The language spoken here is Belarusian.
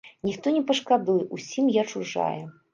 Ніхто не пашкадуе, усім я чужая.